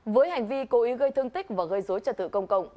với hành vi cố ý gây thương tích và gây dối trật tự công cộng